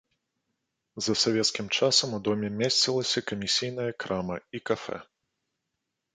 За савецкім часам у доме месцілася камісійная крама і кафэ.